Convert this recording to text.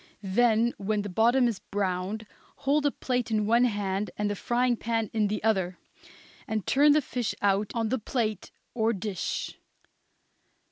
Then, when the bottom is browned, hold a plate in one hand and the frying pan in the other, and turn the fish out in a little cake on the plate or dish.